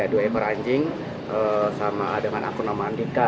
dua ekor anjing sama dengan akun nama andika